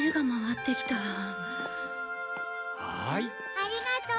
ありがとう。